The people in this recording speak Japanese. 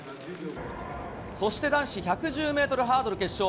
そして男子１１０メートルハードル決勝。